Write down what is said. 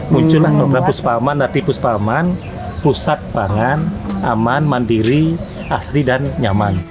munculah program puspa aman latih puspa aman pusat pangan aman mandiri asli dan nyaman